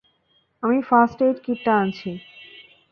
আমি first aid কিটটা আনছি।